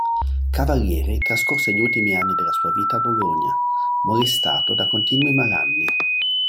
Cavalieri trascorse gli ultimi anni della sua vita a Bologna, molestato da continui malanni.